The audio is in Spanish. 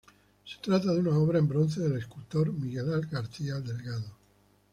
Se trata de una obra en bronce del escultor Miguel García Delgado.